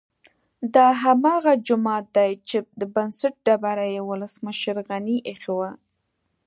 دا هماغه جومات دی چې د بنسټ ډبره یې ولسمشر غني ايښې وه